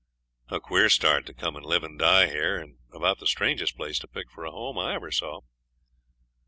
'A queer start, to come and live and die here; and about the strangest place to pick for a home I ever saw.'